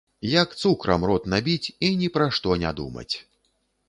Як цукрам рот набіць і ні пра што не думаць.